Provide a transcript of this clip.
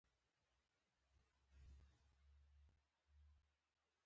ایران له پاکستان سره د ګاز پایپ لاین غواړي.